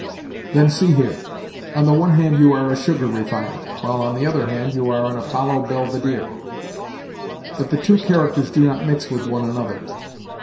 "Then see here. On the one hand, you are a sugar refiner, while, on the other hand, you are an Apollo Belvedere. But the two characters do not mix with one another.